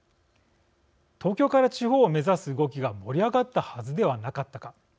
東京から地方を目指す動きが盛り上がったはずではなかったか。